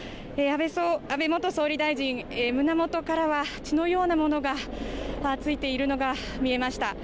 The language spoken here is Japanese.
安倍元総理大臣、胸元からは血のようなものが付いているのが見えました。